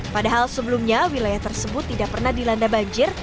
padahal sebelumnya wilayah tersebut tidak pernah dilanda banjir